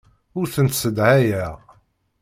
Ur tent-ssedhayeɣ.